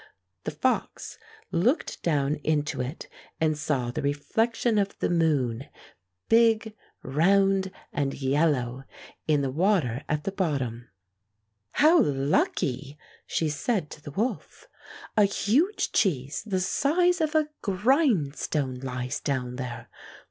The fox looked down into it and saw the reflection of the moon, big, round, and yellow, in the water at the bot tom. ''How lucky!" she said to the wolf. "A huge cheese the size of a grindstone lies down there.